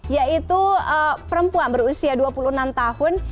yaitu perempuan berusia dua puluh enam tahun